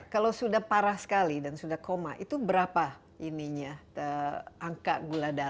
kalau sudah parah sekali dan sudah koma itu berapa ininya angka gula darah